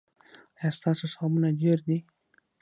ایا ستاسو ثوابونه ډیر دي؟